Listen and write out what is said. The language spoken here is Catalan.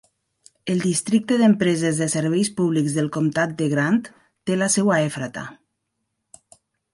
El Districte d'Empreses de Serveis Públics del comtat de Grant té la seu a Ephrata.